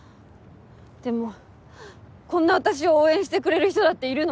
でもこんな私を応援してくれる人だっているの。